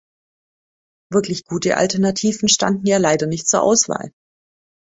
Wirklich gute Alternativen standen ja leider nicht zur Auswahl.